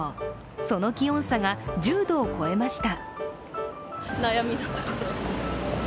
その気温差が１０度を超えました。